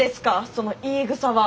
その言いぐさは？